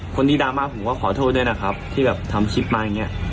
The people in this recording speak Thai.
ผมก็ขอโทษด้วยที่ทำชิฟต์มาอย่างนี้